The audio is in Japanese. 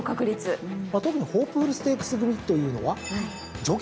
特にホープフルステークス組というのは条件